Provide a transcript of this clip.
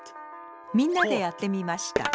みんなでやってみました。